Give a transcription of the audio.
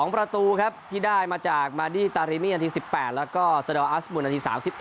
ประตูครับที่ได้มาจากมาดี้ตาริมี่นาที๑๘แล้วก็สดอลอาสบุญนาที๓๑